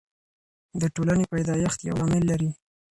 د ټولني پیدایښت یو لامل لري.